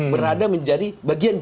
berada menjadi bagian dari